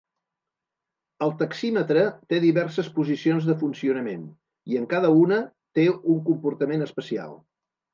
El taxímetre té diverses posicions de funcionament, i en cada una té un comportament especial.